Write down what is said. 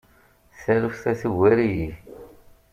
Taluft-a tugar-iyi.